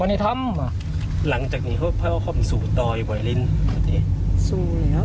ไม่ได้ทำว่ะหลังจากนี้เขาเข้าความสู้ต่ออีกบ่อยลิ้นสู้แล้ว